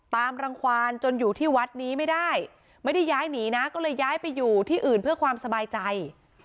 รังความจนอยู่ที่วัดนี้ไม่ได้ไม่ได้ย้ายหนีนะก็เลยย้ายไปอยู่ที่อื่นเพื่อความสบายใจ